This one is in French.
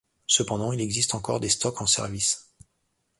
Cependant, il existe encore des stocks en service.